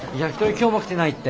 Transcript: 今日も来てないって。